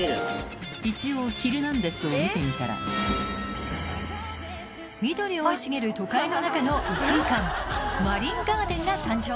一応『ヒルナンデス！』を見てみたら緑生い茂る都会の中の異空間マリンガーデンが誕生。